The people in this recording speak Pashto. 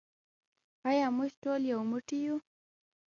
آیا موږ ټول یو موټی یو؟